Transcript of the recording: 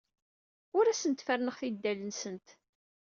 Ur asent-ferrneɣ tidal-nsent.